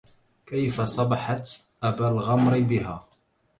كيف صبحت أبا الغمر بها